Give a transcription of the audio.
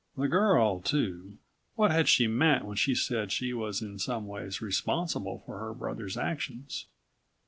The girl, too; what had she meant when she said she was in some ways responsible for her brother's actions?